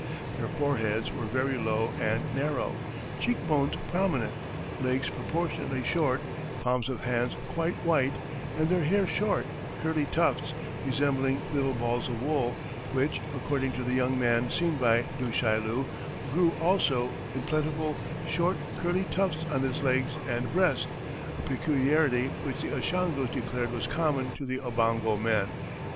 Their foreheads were very low and narrow, cheek bones prominent, legs proportionately short, palms of hands quite white, and their hair short, curly tufts, resembling little balls of wool, which, according to the young man seen by Du Chaillu, grew also, in plentiful, short, curly tufts on his legs and breast, a peculiarity which the Ashangos declared was common to the Obongo men.